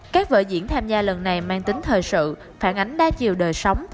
các vợ diễn tham gia lần này mang tính thời sự phản ánh đa chiều đời sống